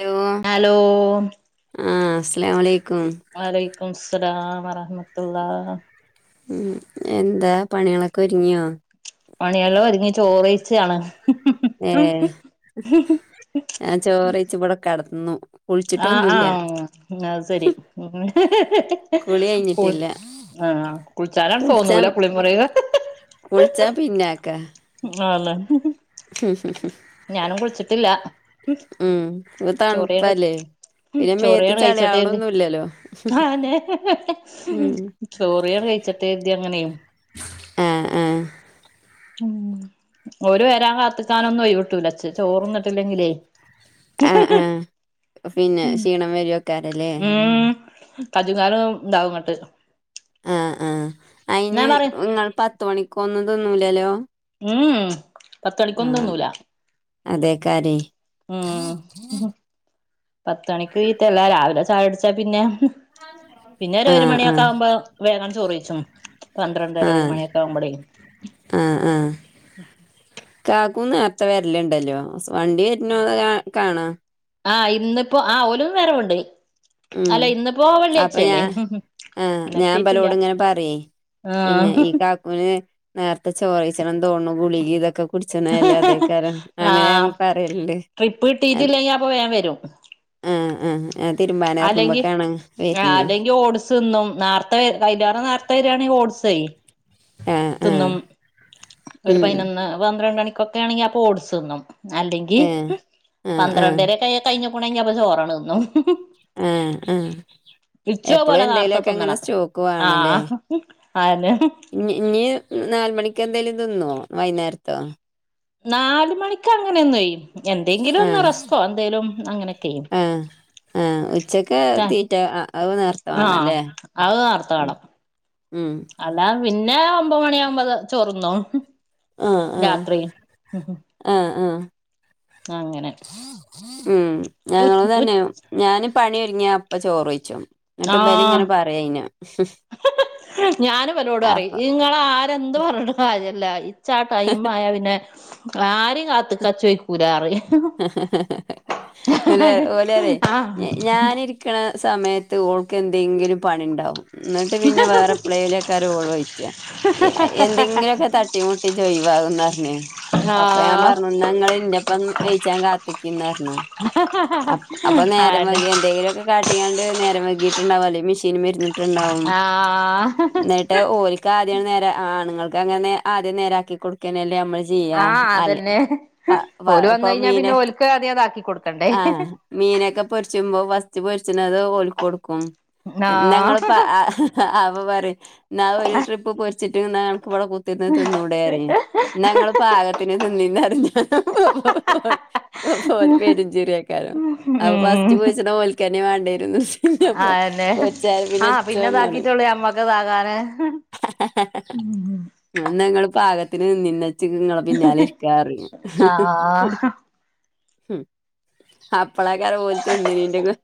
Hello hello.. ആഹ് അസ്സലാമു അലൈക്കും ! വലൈകുംസലാം വറഹ്മത്തുള്ളാ.. ! ഉം എന്താ പണികളൊക്കെ ഒരുങ്ങിയോ. പണിയെല്ലാം ഒരുങ്ങി ചോറയിച്ചാണ്. ഏ.. ഞൻ ചോറി ചവിടെ കടന്നു. ആഹാ ആഹാ അത് ശരി... ! കുളി കഴിഞ്ഞിട്ടില്ല [unintelligible] ആഹാ കുളിച്ചാനാണ് തോന്നൂല കുളിമുറി- കുളിച്ചാൻ പിന്നെഅക്കാ. ആഹാ അതന്നെ. [unintelligible] ഞാനും കുളിച്ചിട്ടില്ല. ഉം തണുപ്പല്ലേ. പിന്നെ മേത്ത് ചോരയാണ് കായി ചോട്ടേഅങ്ട്. ചളിയാവണൊന്നുല്ലല്ലോ അതെ ഉം ചോറിയോ കഴിച്ചിട്ട് അങ്ങനെ. ആഹാ.. ആഹാ... ! ഉം ഒരു വരാൻ കാത്തിക്കാനൊന്നും ഒഴിവിട്ടൂലാ, ചോറന്നിട്ടി എല്ലങ്കിലേ. ആഹ് ആഹ് [unintelligible] പിന്നെ ക്ഷീണം വരുവെക്കാരല്ലേ ഉം.. ! കജുങ്ങാലും ഉണ്ടാവും ഇങ്ങട്ട്. ആഹാ ആഹാ ഞാൻ അതിന് പറയും നിങ്ങൾ പത്ത് മണിക്ക് ഒന്നും തിന്നുല്ലലോ? ഉം.. പത്തണിക്കൊന്നും തിന്നുല്ല. അതേയ്ക്കാരെ. ഉം പത്തണിക്ക് തീറ്റല്ലാ, രാവിലെ ചായ അടിച്ച പിന്നെ, പിന്നെ ഒരു ഒരു ആഹ് ആഹ് മണിയൊക്കെ ആകുമ്പോ വേഗം ചോറിയിച്ചും, പന്ത്രണ്ടര ഒരു മണിയൊക്കെ ആവുമ്പോഴേ. ആഹാ ആഹാ... ! കാക്കൂ നേരത്ത വരല്ലുണ്ടല്ലോ, വണ്ടി വരണ കാ കാണാ. ആഹ് ഇന്നിപ്പോ ആഹാ ഓലും വരവ്ണ്ട്. ഉം. അല്ല ഇന്ന് ഇപ്പോ അപ്പൊ വെള്ളിയാച്ചല്ലേ, ഞാൻ ആഹ് ഞാൻ ഇന്നെത്തിട്ടില്ല. ഇബലോട് ആഹാ.. ! ഒന് നേരത്തെ ചോറിച്ചണം തോണു, ഗുളിഗെയിം ഇതൊക്കെ. കുടിച്ചന്നല്ലേ അതേക്കാരം, അങ്ങനെ ആഹ് ഞങ്ങൾ പറയല്ണ്ട്. ട്രിപ്പ് കിട്ടിയിട്ടില്ലെങ്കി അപ്പൊ വേം വരും ആഹാ ആഹാ ആഹാ തിരുമ്പാന്- ഇറങ്ങുമ്പൊ കാണാ വരഞ്ഞു. നും നേത്തെ കല്യണം നേർത്തെ- വരാണെകിൽ ഈ ഓടിച്ചെയ്‌. ആഹ് ആഹ് തിന്നും ഒരു ഉം പതിനൊന്ന് പന്ത്രണ്ടണിക്കൊക്കെ ആണെങ്കി അപ്പോ ഓട്സ്ന്നും അല്ലെങ്കി ഏഹ് ആഹ് ആഹ് പന്ത്രണ്ടരെക്കായാ കഴിഞ്ഞുക്ക്ണെങ്കി അപ്പ ചോറാണ് ത് ന്നും ഏഹ് എഹ് എപ്പളും പോലെ നേർത്തെ എന്തേലൊക്കെ ങ്ങനെ തിന്നണം സ്റ്റോക്ക് വേണല്ലേ ആഹ് അതെന്നെ ഇന്നി ഇന്നി നാല് മണിക്ക് എന്തേലും തിന്ന്യോ വൈന്നേര്ത്തോ നാല് മണിക്ക് അങ്ങനെ ഒന്നൊയ് എന്തെങ്കിലും ഒന്ന് ആഹ് റസ്കോ എന്തേലും അങ്ങനെക്ക്യെ ആഹ് ആഹ് ഉച്ചക്ക് തീറ്റ അഅ് നേർത്തവാണല്ലേ അഅ് നാർത്ത വാണം അല്ലാതെ പിന്നെ ഒമ്പമണീ ഒമ്പത് ചോറ്ന്നും ആഹ് ആഹ് രാത്രി ഉം ആഹ് ആഹ് അങ്ങനെ ഉം ഉ ഉ ഞങ്ങളുംതന്ന്യെ ഞാന് പണിഒര്ങ്ങ്യാ അപ്പ ചോറെയിച്ചും ആഹ് ഞാനും ഇവലോട്അറിം അപ്പൊ ഇങ്ങളാആഹ് രും എന്ത്പറഞ്ഞ്ട്ടും കാര്യല്ല ഇച്ചാ ആ ടൈം ആയാ പിന്നെ ആരിം കാത്ത്ക്കാൻ ഇച്ച് വെെക്കൂലാറിം ലെ ഓലറെ ആഹ് ഞ് ഞാനിരി രിക്ക്ണ സമയത്ത് ഓൾക്ക് എന്തെങ്കിലും പണി ഇണ്ടാവും ന്നട്ട് പിന്നെ വേറെ എപ്പ്ളെലെയ്ക്കാരം ഓള് വെയ്ച്ചാ ഇ എ എന്തെങ്കിലൊക്കെ തട്ടി മുട്ടി ഇജ്ജ് ഒയിവാകുന്നർഞ്ഞേ അപ്പൊ ഞാൻ ആഹ് പറഞ്ഞു ന്നാ ഇങ്ങള്ന്റപ്പോ ന്ന് വേഴിച്ചാൻ കാത്തിക്കിംന്നർഞ്ഞു അപ് അപ്പൊ നേരം അതെന്നെ വെങ്കിഎന്തെങ്കിലൊക്കെ കാട്ട് ട്ടീകാണ്ട് നേരംവൈങ്കീട്ട്ണ്ടാകും അല്ലെങ്കി മിഷീൻമ്മെ ഇരിന്ന്ട്ട്‌ണ്ടാകും ആഹ് ന്നട്ട് ഓൽ ക്കാദ്യം നേരെ ആണ്ങ്ങൾക്ക് അങ്ങനെര ആദ്യം നേരാക്കി കൊടുക്കന്നല്ലേ അമ്മള്‌ ചെയ് ആഹ് അതന്നെ പ- ഓല് ഇപ്പൊ വന്ന്ഴിഞ്ഞാ പിന്നെ മീന് ഓൽക്കാദ്യം ഇതാക്കി കൊട്ക്കണ്ടേ ആഹ് മീനൊക്കെ പൊരിച്ചുമ്പോ ഫസ്റ്റ് പൊരിച്ച്ണത് ഓൽക്കൊട്ക്കും ഇന്നഞങ്ങള് ആഹ് പ അഹ് അഅപ്പൊ പറയും ന്നാ ഒരു ട്രിപ്പ് പൊരിച്ചിട്ട് ഇന്നാഅനക്ക് ഇവടെ കുത്തർന്ന് തിന്നൂടേറിം ന്നാഇങ്ങള് പാകത്തിന് തിന്നിംന്നറിഞ്ഞാ- അപ്പൊ ഓല് പെരുംചിരി ആക്കാരം അപ്പൊ ഫസ്റ്റ് ഉം പോരിച്ണെ ഓൽക്കന്നെ വേണ്ടരും അതെന്നെ പൊരിച്ചാല് ആഹ് പിന്നെ പിന്നെച്ചോന്നറിം ഇതാക്കിട്ടൊള്ളൂ ഞമ്മക്ക് ഇതാകാന് ന്നാ ഇങ്ങള് പാകത്തിന്‌തിന്നിംന്ന ച്ച്ക്ഇങ്ങളെ പിന്നാലെ ഇരിക്കാറിം ആഹ് ഉം അപ്പളെക്കാരം ഓൽതിന്ന്നീന്റാക്കെ-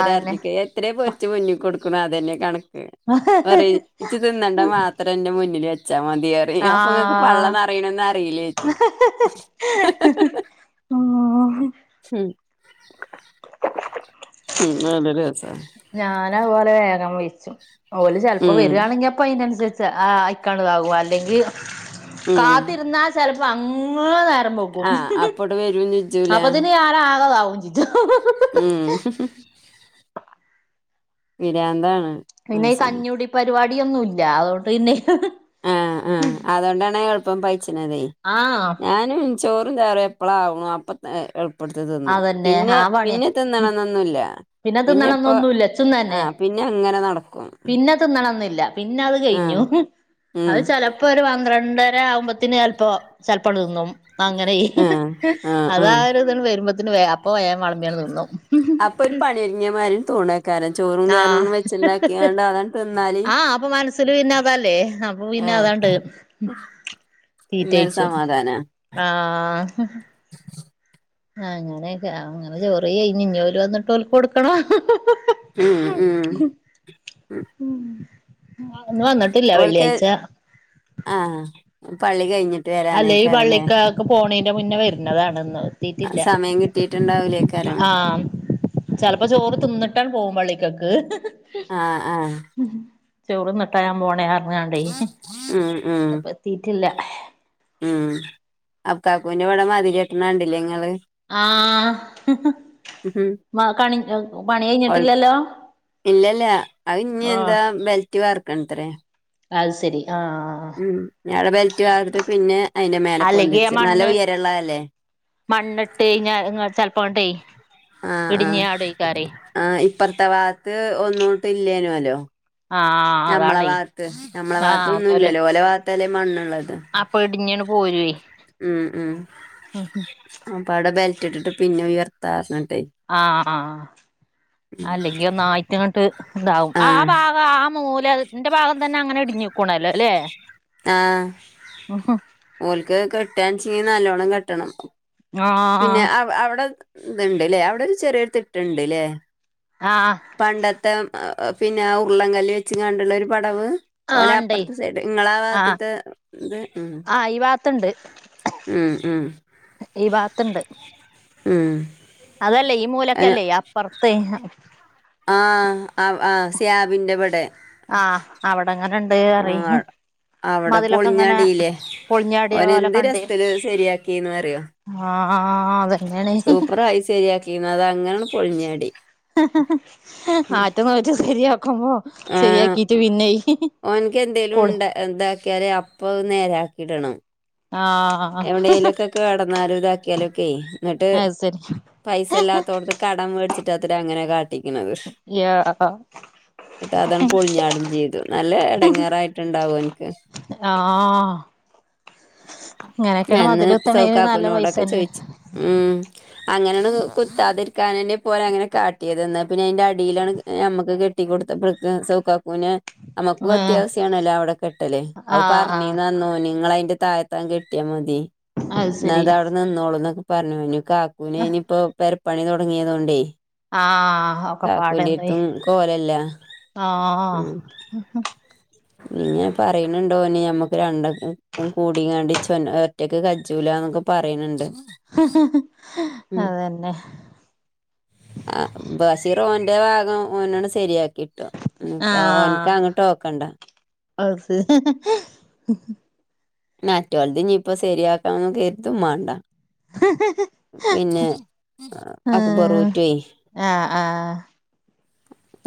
അതെന്നെ എത്രെ പൊരിച്ച് മുന്നികൊടുക്കുണു അതന്നെ കണക്ക് പറി ഇച്ച്തിന്നണ്ട മാത് ഇത്ര ന്റെ മുന്നില് വെച്ചാ മതീയറി ഞാപ്പങ്ങക്ക് പള്ളന്നറീണ അറീലേയ്ച്ചു ഓ ഉം ഉം അനല്ലരസാ ഞാനഅതുപോലെ വേഗം വെയ്ച്ചും ഓല് ചെൽപ്പോ ഉം വര്യാണെങ്കി അപ് പ്പ അയിനന്സരിച്ച് ആഹ് അയിക്കാണ്ട് ഇതാവും അല്ലെങ്കി ഉം കാത്തിര്ന്നാൽ ചെലപ്പോ അങ്ങന നേരം ബെങ്കും ആഹ് അപ്പട് വരും ചെജ്ജൂല അപ്പത്തിന് ഞാനാകതാവും ചി ഉം പീരാന്താണ് പിന്നെ ഈ കഞ്ഞുടി പരിപാടിയൊന്നുംല്ല അതോണ്ട് പിന്നെ ആഹ് ആഹ് അതോണ്ടാണേ എള്പ്പം പയ്ച്ച്ണതെ ആഹ് ഞാന് ഇൻ ചോറും ചാറും എപ്പളാ ആവുണൂ അപ്പ എള്പ്പെട്ത്ത് തിന്നും അതന്നെ പിന്നെ ആ പണിയ പിന്നെ തിന്നണംന്നൊന്നുല്ല പിന്നെ ഇപ്പ തിന്നണന്നൊന്നുല്ല ഇച്ചും ആഹ് പിന്നെ ഇങ്ങനെ നടക്കും ത് ന്നണംന്നില്ല പിന്നെ അഅ് ആഹ് കഴിഞ്ഞു ഉം അഅ് ചെലപ് പ്പൊഒരു പന്ത്രണ്ടര ആവുമ്പത്തിന് എൽപ്പോ ചെൽപ്പൺതിന്നും അങ്ങനെയ് ആഹ് ആഹ് ആഹ് അവാഒരുതൺ വരുമ്പൊത്തിന് വേ അപ്പം വേം വളമ്പ്യൻ തിന്നും ഇപ്പൊ ഒരു പണ്യാെർങ്ങ്യ മാരി തോണാ ആഹ് അതാണ് തിന്നാല് ആഹ് അപ്പ മനസ്സില് പിന്നെ അതല്ലേ അപ് അപ്പൊ പിന്നെ അതാണ്ട് എന്നന്രു സമാധാനം ആഹ ആ അങ്ങനെ അങ്ങനെ ചോറി കയിഞ്ഞ് ഇനി ഭാല് വന്നിട്ട് കൊടുക്കണോ ഉം ഉം ഉ [unintelligible] ഓല്ക്ക് ആഹ പള്ളി കഴിഞ്ഞിട്ട് അല്ലെ ഈ വരാനേക്കാരല്ലേ പള്ളിക്കാർക്ക് പോണീന്റെ മുന്നേ വരുന്നതാാണ് സമയം കിട്ടിയിട്ടുണ്ടാവൂലേക്കാരം ചിലപ്പോ ചോറ് തിന്നിട്ടാൻ പോവും പള്ളിക്കൊക്ക് ഹ ഹ ആഹ ആഹ ഉ ചോറ് നിട്ടാ ഞാൻ പോണേ ഇറങ്ങാണ്ടേ ഉം ഉം ഇപ്പ എത്തീട്ടില്ല ഉം അകാക്കുവിന്റെ ഇവിടെ മതിൽ കെട്ടണ കണ്ടില്ലേ നിങ്ങള് ആഹ കണി പണി ഓൽക്ക് കഴിഞ്ഞിട്ടില്ലല്ലോ ഇല്ലല്ല അത് ഇനി ആഹ് എന്താ ബെൽറ്റ വർക്കണത്രേ അത് ശരി ആഹ് ഉം ഞാള് ബെൽറ്റ് വാർത്ത് പിന്നെ അതിന്റെ മേലെ അല്ലെങ്കി പൊന്തിച്ച് നല്ല മണ്ണ് ഉയര ഉള്ളതല്ലേ മണ്ണിട്ട് ചെിലപ്പോണ്ട ആഹ് ആഹ് ഇടിഞ്ഞാടഴിക്കാറി ആഹ് ഇപ്പറത്തെ ഭാഗത്ത് ഒന്നോട്ട് ഇല്ലേന അല്ലോ ആഹ നമ്മളെ ഭാത്ത് ഞമ്മളെ ഭാഗത്ത ഒന്നുംല്ലല്ലോ ഓലെ ഭാഗത്തല്ലേ മണ്ണുള്ളത് അപ്പ ഇടിഞ്ഞണ് പോരുവേ ഉം ഉം അപ്പ ആടെ ബെൽറ്റ് ഇട്ടിട്ട് പിന്നെ ഉയർത്താന്ന് പറഞ്ഞട്ടെ ആഹ ആഹ് അല്ലെങ്കിൽ ഒന്ന് ആ ങ്ങോട്ട് ഇതാവും ആ ആഹ് ഭാഗം ആ മൂല അതിന്റെ ഭാഗം തന്നെ അങ്ങനെ ഇടിഞ്ഞുക്കണല്ലോ അല്ലെ ആഹ ആഹ് ഓലക്ക് കെട്ടാച്ചി നല്ലോണ്ണം കെട്ടണം പിന്നെ അവിടെ ഇത്ണ്ട്ല്ലേ അവിടെ ഒരു ചെറിയൊരു തിട്ടുണ്ട്ല്ലേ ആഹ പണ്ടത്തെ പിന്നെ ഉരുള്ളകല്ലി വെച്ചെണ്ടുള്ള ഒരു പടവ് ഓലെ ഇണ്ടേ അപ്പുറത്തെ സൈഡ് നിങ്ങളാ ആഹ് ഭാഗത്തത്തെ ഇത് ഉ [unintelligible] ഉം ഉം ഈ ഭാഗത്തുണ്ട് ഉം അതല്ലേ ഈ അയ്ന് മൂലക്കല്ലേ അപ്പുറത്തെ ആ ആ സ്യാബിന്റെ പടെ ആഹ അവിടെങ്ങനുണ്ട് പറയ് അവിടെ മതിലൊക്കെ ഇങ്ങനെ പൊളിഞ്ഞാടില്ലേ പൊളിഞ്ഞാടിയ ഓന എന്ത് രസൽ ശരിയാക്കിന്ന് പറിയോ ആഹ സൂപ്പർയി ശരിയാക്കിന്ന അതങ്ങനെ ഹ ഉം. ഹ ആ ശരിയാക്കുമ്പോ ശരിയാക്കീട്ട് പിന്നെ എനിക്ക് എന്തേലും പൊളി ഉണ്ട എന്താക്കിയാല് അപ്പൊ നേരാക്കിടണം ആഹ എവിടെലൊക്കൊ കിടന്നാലും ഇതാക്കിയാലൊക്കെ എന്നിട്ട് അത് ശരി പൈസ ഇല്ലാത്തോടത്ത് കടം മേടിച്ചിട്ടാത്ര അങ്ങനെ കാട്ടിക്കണന്നത് കേട്ട് അതാണ് പൊളിഞ്ഞാടം ചെയ്തു നല്ല ഇടങ്ങേറായിട്ടുണ്ടാവും എനിക്ക് ആഹ ഇങ്ങനെയൊക്കെയാണ് അന്ന് മതിൽ [unintelligible] നല്ല പൈസ സൗക്കാക്കുനോടൊക്കെ തന്നെയാണ് ചോയിച്ചു ഉം അങ്ങനെയാണ് കുത്താതിരിക്കാനെ പോലെ അങ്ങനെ കാട്ടിയതന്നെ പിന്നെ അതിന്റെ അടിയിലാണ് നമ്മക്ക് കെട്ടിക്കടുത്തപ്പേക്ക് സൗക്കാക്കുന് നമ്മുക്ക അത്യാവശ്യമാണല്ലോ അവിടെ കെട്ടല് ആഹ് അവ ആഹ് പറഞ്ഞീന്നു നിങ്ങള് അതിന്റെ താഴത്താൻ കെട്ടി മതി അത് എന്ന ശരി അതവിടെ നിന്നോളൂ എന്നൊക്കെ പറഞ്ഞ കാക്കുന ഇനിപ്പോ പെര പണി തൊടങ്ങിയതൊണ്ടേ ആഹ് ഒക്കെ പാടെ നിന്ന് പോയി കോലല്ല ആഹ് ഇങ്ങനെ പറയുന്നുണ്ട്‌ ഓന് ഞമ്മക്ക് രണ്ടാക്കും കൂടിങ്ങാണ്ട്‌ ച് ഓൻ ഒറ്റക്ക് കജ്ജൂലന്നൊക്കെ പറയണണ്ട്. അതന്നെ ആഹ് ബസിറോന്റെ ഭാഗം ഓനാണ് ശരിയാക്കി ട്ടോ. ആഹ് ആസ് മറ്റോൽത് ഞിപ്പം ശരിയാക്കാംന്ന് കരുതും മാണ്ട. ഹ് ഹ് ഹ് പിന്നെ ആഹ് അക്ബറൂറ്റയ് ആഹ് ആഹ്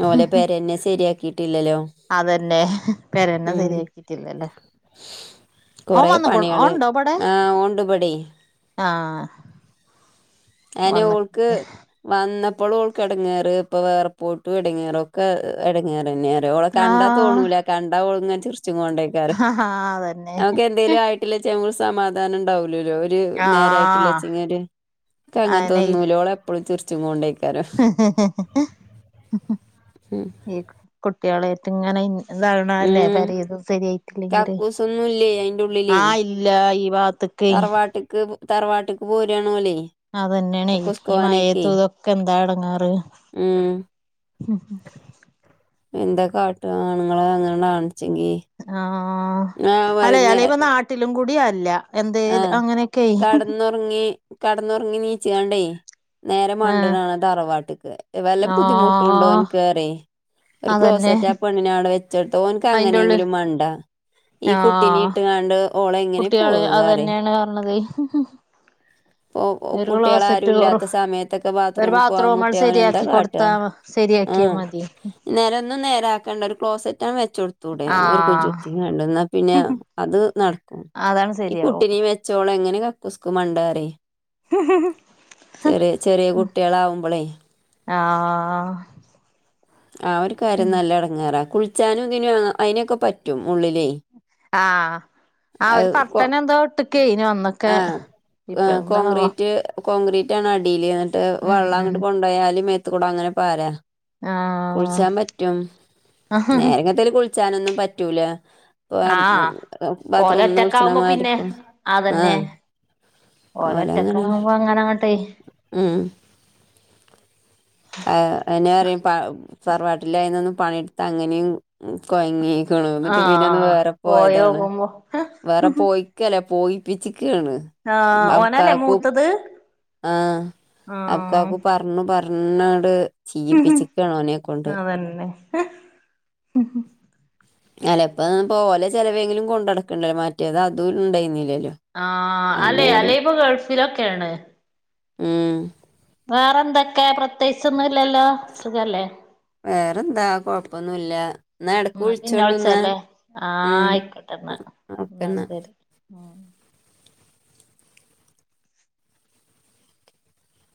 ഓലെ പെരന്നെ സരിയാക്കിട്ടില്ലല്ലോ അതന്നെ പെരെന്നെ സെര്യാക്കിട്ടില്ല ലേ ഓൻ കൊറേ വന്നുക്കുൺ പണികള് ഓണ്ടോ ബടെ ആ ഓണ്ട് ഇബടെ ആഹ് വന്ന്ട്ട്ല്ല വന്നപ്പളും ഓൾക്ക് എടങ്ങേറ് ഇപ്പൊ വേറെ പോയ്ട്ടും എടങ്ങേറാ ഒക്കേ എടങ്ങേറന്നെ അറിയൊ ഓളെ കണ്ടാ ആഹ് തോണൂലാ കണ്ടാ ഓള് ഇങ്ങനേ ചിറ്ച്ച്ങ്ങോണ്ടേ ക്കാര് അതന്നെ ഞമ്മക്കെന്തേലു ആയിട്ടില്ലേച്ചാ ഞമ്മൾ സമാധാനം ഇണ്ടാവുല്ലേല്ലോ ഇവര് [unintelligible] ആഹ് നേരായിട്ടില്ലാച്ച്ങ്ങാണ്ട് ഇന്ക്ക് അയന്നെ ഈ അങ്ങത്തൊന്നുല്ലാ ഓള് എപ്പളും ചിറിച്ച് കൊണ്ടേക്കാരം ഈ കുട്ട്യാളേയിറ്റ് ഇങ്ങനെ ഇ ഇത് ആവ്ണ അല്ലേ ഉം പേരേന്നും സരിയായിട്ടില്ലെങ്കില് കക്കൂസൊന്നുല്ലേ അയിന്റെ ഉള്ളിലേ ആഹ് ഇൽ ഇല്ലാ ഈ വാത്ത് തറവാട്ട്ക്ക് തറവാട്ട്ക്ക് പോരാണോലേയ് അതന്നെണയ് ഈ മഴയേത്തൂ ഇതൊക്കെ എന്താ എടങ്ങാറ് ഉം എന്താകാട്ട ആണുങ്ങള് അങ്ങനെ ആണ്ച്ചെങ്കി ആഹ് അല്ലേ അല്ലെപ്പോ നാട്ടിലും കൂടി അല്ല എന്തേലു അങ്ങനെയൊക്കെ ഒന്ന് ഒറങ്ങി കെട്ന്നൊറങ്ങി നീച്ച്കാണ്ടേയ് നേരെ ആഹ് മണ്ട്ണാണ തറവാട്ട്ക്ക് വല്ല ബുദ്ധിമുട്ട്ണ്ടോ ആഹ് ഓൻക്ക്റിയെ ഒരു അതന്നെ ക്ലോസറ്റാ ആ പെണ്ണിനാടെ വെ ച്ചടുത്താ ഓൻക്ക് അയിന്റെ ഉള്ളിൽ അങ്ങനെങ്കിലുംമണ്ടാ ഈ കുട്ടിനേ ഇട്ട് കാണ്ട് കുട്ട്യേള് അതനെയാണ് പറഞ്ഞതേ ഇപ്പൊ ഒരു കുട്ടികളാരും ക്ലോസ്റ്റ് ഒറു ഇല്ലാത്ത സമയത്തൊക്കെ ഒര് ബാത്റൂമ്ക്ക് പോവാൻ ബാത്റൂമണ്ട് മുട്ടിയ ഓനെന്താ സരിയാക്കി കൊടുത്താ സരിയാക്കിയാമതി നെലം ഒന്നും നേരാക്കണ്ടാ ഒരു ക്ലോസെറ്റാ വെച്ചൊടുത്തൂടെ ഒരു ആഹ് കുജ്ജ്ത്തിങ്ങാണ്ട് എന്നാ പിന്നെ അത് നടക്കും അതാണ് ഈ ശരിയാവും കുട്ടിനീ വെച്ചോണ്ട് എങ്ങനെ കക്കൂസ്ക്ക് മണ്ടാറിയെ ഹ് ഹ് ചെറി ചെറി കുട്ടീളാവ്മ്പളെ ആഹ് ആഹ് ഒര് കാര്യം നല്ല എട്ങ്ങേറ കുള്ച്ചാനും ഇതിനു അയിനൊക്ക പറ്റും ഉള്ളിലെ ആഹ് ആഹ് ഒരു കർട്ടന് എന്തോ ഇട്ട്ക്കെ അയിന് വന്ന് ആഹ് ആഹ് കോക്രീറ്റ്- കോൺക്രീറ്റാണ് അടീല് ഇന്ന്ട്ട് ഉം വള്ളം ഉം അങ്ങ്ട്ട് കൊണ്ടോയാല് മേത്ത് കുട അങ്ങന പാര ആഹ് കുളിച്ചാൻ പറ്റും നേരെങ്ങത്തല് കുളിച്ചാനൊന്നും പറ്റൂല ഇപ്പം മ് ആഹ് ഓല് ബാത്റൂമ്ന്ന് കുള്ച്ച്ണ ഒറ്റക്കാവുമ്പോ പിന്നെ മാരിപ്പം അതന്നെ ഓല് ഓലങ്ങനെ ഒറ്റക്കാകുമ്പോ അങ്ങനെങ്ങട്ടെ ഉം ആഹ് അയിന് പറയും തറവാട്ടിലായിരുന്ന് പണിയെടുത്താ അങ്ങനെയും- കൊയങ്ങീക്കുണു എന്നിട്ട് പിന്നെ ഒന്ന് ആഹ് വേറെ പോയതാണ് പോയോക്കുമ്പോ വേറെ പോയി- ക്കെല പോയിപ്പിച്ച് ക്കാണ് ആഹ് ഓന് ആണല്ലേ മൂത്തത് ആഹ് ആഹ് അബുകാക്കു പർഞ്ഞു പർഞ്ഞട് ചിയിപ്പിച്ച്ക്കാണ് ഓനെം കൊണ്ട് വന്നെ അല ഇപ്പ ഓല ചെലവേങ്കിലും കൊണ്ടടക്ക്ണ്ടലൊ മറ്റേത് അതും ഇണ്ടയ്ന്നിലലൊ ആഹ് അല്ലെ അല്ലെയിപ്പൊ ഗൾഫിലൊക്കേണ് മ്മ് വേറെന്തൊക്കെ പ്രത്യേയിച്ചൊന്നുല്ലല്ലോ സുഖല്ലേ വേറെന്താ കൊഴപ്പൊന്നുല്ല ഇന്നാ എടക്ക് എന്നാ പിന്നെ വിളിച്ചോണ്ടുന്ന് വിളിച്ചല്ലേ ഉം ആഹ് ഇന്നാ ശെരി മ്മ്